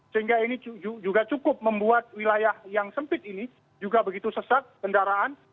sehingga ini juga cukup membuat wilayah yang sempit ini juga begitu sesat kendaraan